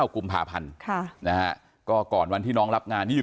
กุมภาพันธ์ก็ก่อนวันที่น้องรับงาน